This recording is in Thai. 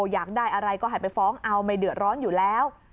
อยากได้อะไรก็ให้ไปฟ้องเอาไม่เดือดร้อนอยู่แล้ว